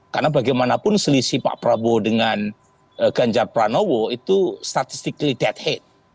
karena bagaimanapun selisih pak prabowo dengan ganjar pranowo itu statistiknya deadhead